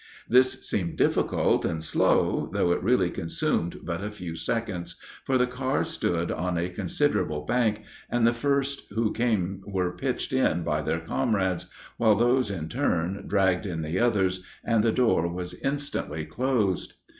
This seemed difficult and slow, though it really consumed but a few seconds, for the car stood on a considerable bank, and the first who came were pitched in by their comrades, while these in turn dragged in the others, and the door was instantly closed.